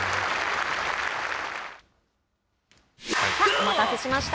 お待たせしました。